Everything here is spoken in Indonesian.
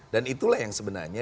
dan itulah yang sebenarnya